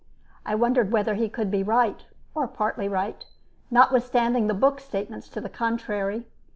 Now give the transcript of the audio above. I wondered whether he could be right, or partly right, notwithstanding the book statements to the contrary.